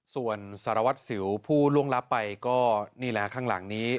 ส่วนสารวัตรสิวผู้ล่วงลับไปก็นี่แหละข้างหลังนี้